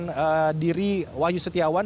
pemberhentian diri wahyu setiawan